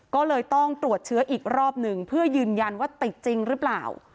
ก็เลยต้องตรวจเชื้ออีกรอบหนึ่งเพื่อยืนยันว่าติดจริงหรือเปล่า